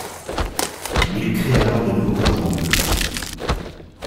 Il crée alors de nouveaux colorants bleus.